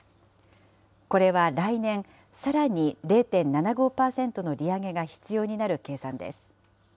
これは来年、さらに０．７５％の利上げが必要になる計算です。